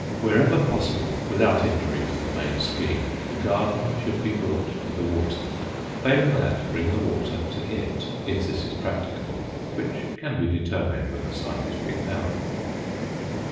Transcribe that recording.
Wherever possible, without injury to the main scheme, the garden should be brought to the water. Failing that, bring the water to it, if this is practicable; which can be determined when the site is picked out.